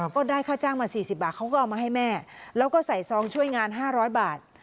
ก็ได้ค่าจ้างมา๔๐บาทเขาก็เอามาให้แม่แล้วก็ใส่ซองช่วยงาน๕๐๐บาท